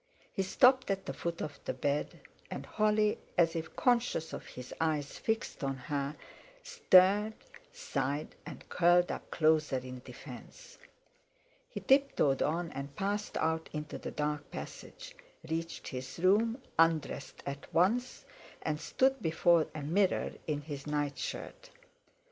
He stopped at the foot of the bed; and Holly, as if conscious of his eyes fixed on her, stirred, sighed, and curled up closer in defence. He tiptoed on and passed out into the dark passage; reached his room, undressed at once, and stood before a mirror in his night shirt.